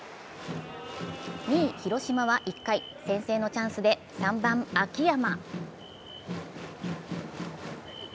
２位・広島は１回先制のチャンスで３番・秋山。